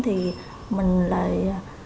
thì mình lại